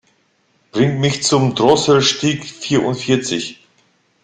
Bring mich zum Drosselstieg vierundvierzig.